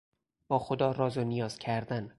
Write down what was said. با خدا راز و نیاز کردن